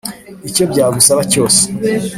icyo byagusaba cyose